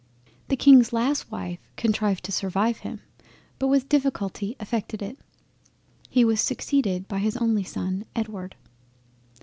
The Kings last wife contrived to survive him, but with difficulty effected it. He was succeeded by his only son Edward.